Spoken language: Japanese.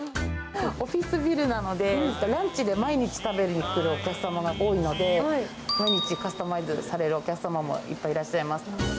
オフィスビルなので、ランチで毎日食べに来るお客様が多いので、毎日カスタマイズされるお客様もいっぱいいらっしゃいます。